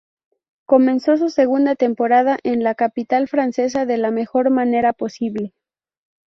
Comenzó su segunda temporada en la capital francesa de la mejor manera posible.